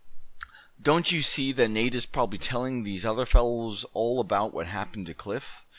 Don't you see that Nate is probably telling these other fellows all about what happened to Cliff.